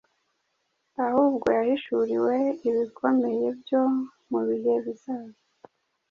ahubwo yahishuriwe ibikomeye byo mu bihe bizaza,